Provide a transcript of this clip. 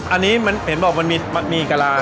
อันนี้มันเห็นบอกมันมีกะลา